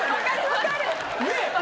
分かる！